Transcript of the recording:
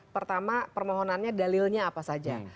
pertama permohonannya dalilnya apa saja